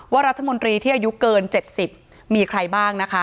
รัฐมนตรีที่อายุเกิน๗๐มีใครบ้างนะคะ